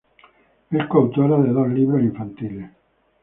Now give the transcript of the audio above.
Es coautora de dos libros infantiles.